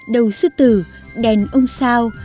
đầu sư tử đèn ông sao